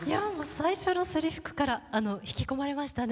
最初のせりふから引き込まれましたね。